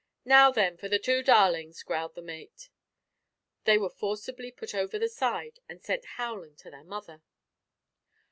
"Now, then, for the two `darlings'," growled the mate. They were forcibly put over the side and sent howling to their mother.